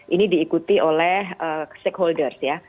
ini diikuti oleh stakeholders ya